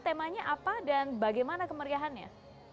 temanya apa dan bagaimana kemeriahannya